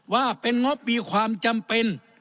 ว่าเป็นงบมีความจำเป็น